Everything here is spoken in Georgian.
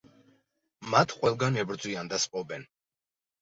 მათ ყველგან ებრძვიან და სპობენ.